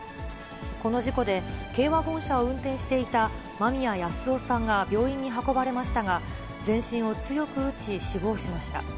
この事故で、軽ワゴン車を運転していた間宮保男さんが病院に運ばれましたが、全身を強く打ち、死亡しました。